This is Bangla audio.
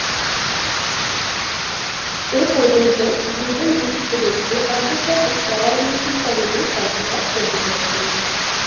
এ পর্যন্ত দুজন বিশিষ্ট ব্যক্তি আন্তর্জাতিক প্যারালিম্পিক কমিটির দায়িত্বভার গ্রহণ করেছেন।